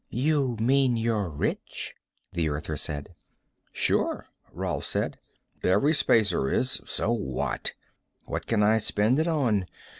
"You mean you're rich?" the Earther said. "Sure," Rolf said. "Every Spacer is. So what? What can I spend it on?